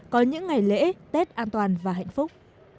có những ngày lễ tết an toàn và hạnh phúc